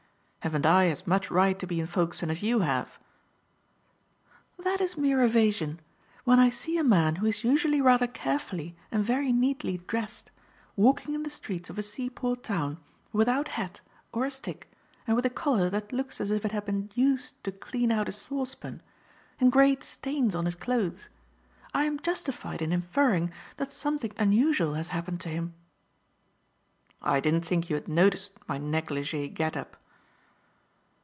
Haven't I as much right to be in Folkestone as you have?" "That is mere evasion. When I see a man who is usually rather carefully and very neatly dressed, walking in the streets of a seaport town without hat or a stick and with a collar that looks as if it had been used to clean out a saucepan, and great stains on his clothes, I am justified in inferring that something unusual has happened to him." "I didn't think you had noticed my neglige get up."